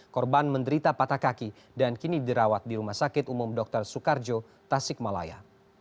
korban menderita patah kaki dan kini dirawat di rumah sakit umum dr soekarjo tasikmalaya